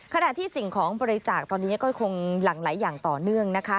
ขณะที่สิ่งของบริจาคตอนนี้ก็คงหลั่งไหลอย่างต่อเนื่องนะคะ